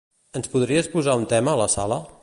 Ens podries posar un tema a la sala?